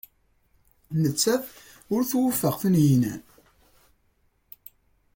Nettat ur twufeq Tunhinan.